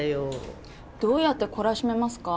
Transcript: どうやって懲らしめますか？